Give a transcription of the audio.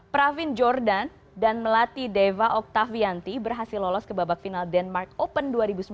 pravin jordan dan melati deva oktavianti berhasil lolos ke babak final denmark open dua ribu sembilan belas